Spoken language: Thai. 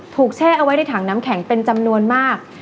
แช่เอาไว้ในถังน้ำแข็งเป็นจำนวนมาก